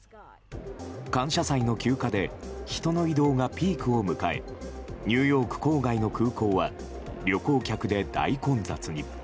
感謝祭の休暇で人の移動がピークを迎えニューヨーク郊外の空港は旅行客で大混雑に。